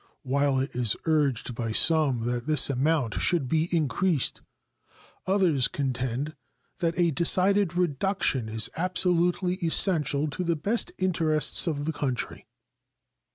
While it is urged by some that this amount should be increased, others contend that a decided reduction is absolutely essential to the best interests of the country.